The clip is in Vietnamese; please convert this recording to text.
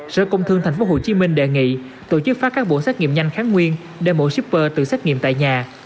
sở công thương tp hcm đề nghị tổ chức phát các bộ xét nghiệm nhanh kháng nguyên để mỗi shipper tự xét nghiệm tại nhà